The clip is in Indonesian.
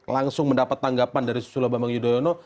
langsung mendapat tanggapan dari susilo bambang yudhoyono